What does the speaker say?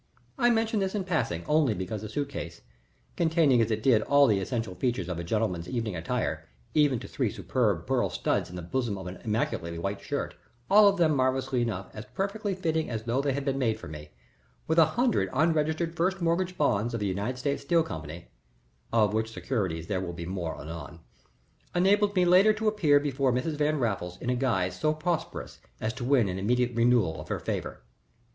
I mention this in passing only because the suit case, containing as it did all the essential features of a gentleman's evening attire, even to three superb pearl studs in the bosom of an immaculately white shirt, all of them, marvellously enough, as perfectly fitting as though they had been made for me, with a hundred unregistered first mortgage bonds of the United States Steel Company of which securities there will be more anon enabled me later to appear before Mrs. Van Raffles in a guise so prosperous as to win an immediate renewal of her favor.